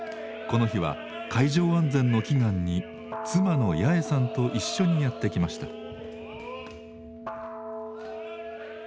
この日は海上安全の祈願に妻のやえさんと一緒にやって来ました。